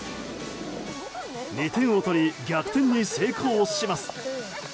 ２点を取り逆転に成功します。